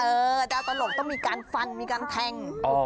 ดาวตลกต้องมีการฟันมีการแทง